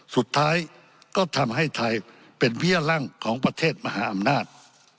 สุดท้ายก็ทำให้ไทยเป็นเบี้ยร่างของประเทศมหาอำนาจ